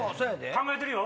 考えてるよ。